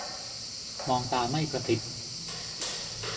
มองตาไม่กะพริบ